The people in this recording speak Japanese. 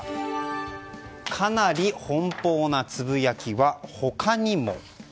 かなり奔放なつぶやきは他にも。